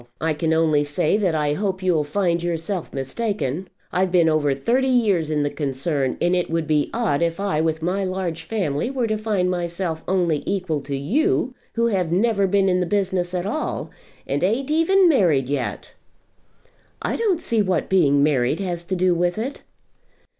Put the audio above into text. I can only say that I hope you'll find yourself mistaken. I've been over thirty years in the concern, and it would be odd if I with my large family were to find myself only equal to you, who have never been in the business at all, and ain't even married yet." "I don't see what being married has to do with it."